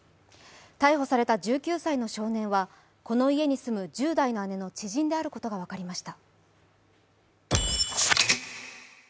逮捕された１９歳の少年はこの家に住む１０代の姉の知人であることが分かりました。